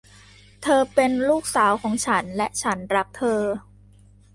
เธอเป็นลูกสาวของฉัน และฉันรักเธอ